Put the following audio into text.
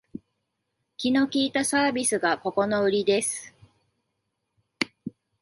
気の利いたサービスがここのウリです